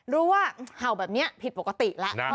ว่าเห่าแบบนี้ผิดปกติแล้ว